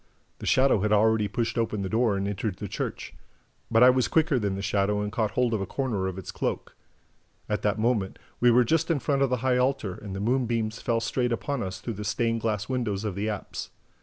The shadow had already pushed open the door and entered the church. But I was quicker than the shadow and caught hold of a corner of its cloak. At that moment, we were just in front of the high altar; and the moonbeams fell straight upon us through the stained glass windows of the apse.